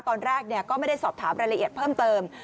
ตอนแรกก็ไม่ได้สอบถามรายละเอียดเพิ่มเติม